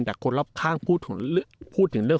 แต่คนรอบข้างพูดถึงเรื่อง